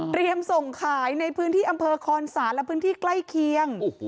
ส่งขายในพื้นที่อำเภอคอนศาลและพื้นที่ใกล้เคียง